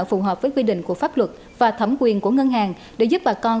phù hợp với quy định của pháp luật và thẩm quyền của ngân hàng để giúp bà con